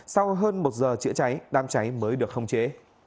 sau hơn một giờ chữa cháy đám cháy mới được khống chế